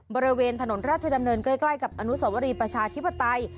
บริเวณถนนราชดำเนินใกล้กับอนุสวรีประชาธิปไตย